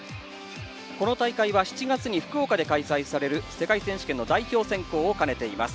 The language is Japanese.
この大会は７月に福岡で開催される世界選手権の代表選考を兼ねています。